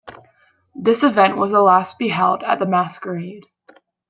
This event was the last to be held at The Masquerade.